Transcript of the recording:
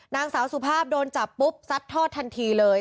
นางสาวสุภาพโดนจับปุ๊บซัดทอดทันทีเลย